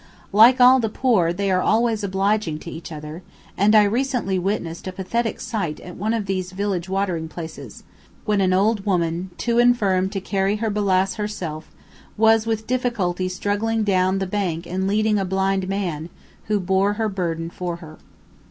Like all the poor, they are always obliging to each other, and I recently witnessed a pathetic sight at one of these village watering places, when an old woman, too infirm to carry her "balass" herself, was with difficulty struggling down the bank and leading a blind man, who bore her burden for her.